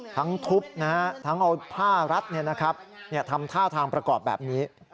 ทั้งทุบทั้งเอาผ้ารัดทำท่าทางประกอบแบบนี้